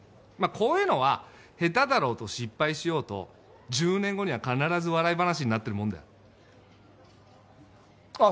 こういうのはヘタだろうと失敗しようと１０年後には必ず笑い話になってるもんだよあっ